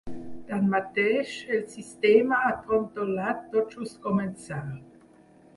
Tanmateix, el sistema ha trontollat tot just començar.